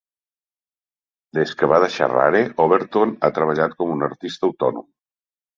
Des que va deixar Rare, Overton ha treballat com a artista autònom.